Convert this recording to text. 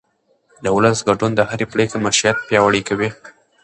د ولس ګډون د هرې پرېکړې مشروعیت پیاوړی کوي